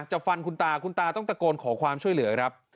ฟันคุณตาคุณตาต้องตะโกนขอความช่วยเหลือครับ